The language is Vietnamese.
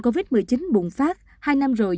covid một mươi chín bùng phát hai năm rồi